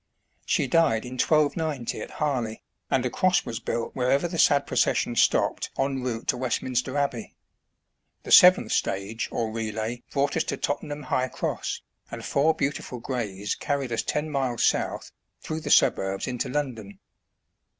She died in 1290 at Harley, and a cross was built wherever the sad procession stopped en STAGE COACHING IN ENGLAND. 51 route to Westminster Abbey. The seventh stage or relay brought us to Tottenham High Cross, and four beautiful grays carried us ten miles south, through the suburbs into London.